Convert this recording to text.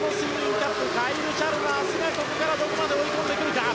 キャップカイル・チャルマースがここからどこまで追い込んでくるか。